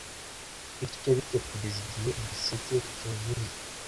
bityo bityo kugeza igihe igiseke cyuzuriye